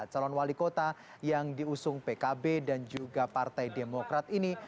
calon wali kota yang diusung pkb dan juga partai demokrat ini